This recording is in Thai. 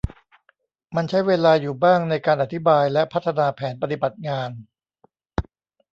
มันใช้เวลาอยู่บ้างในการอธิบายและพัฒนาแผนปฏิบัติงาน